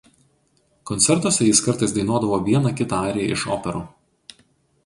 Koncertuose jis kartais dainuodavo vieną kitą ariją iš operų.